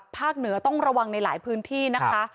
เหนือต้องระวังในหลายพื้นที่นะคะ